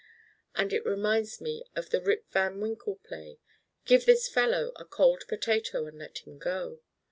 And it reminds me of the Rip Van Winkle play 'give this fellow a cold potato and let him go.